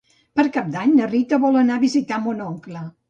Per Cap d'Any na Rita vol anar a visitar mon oncle.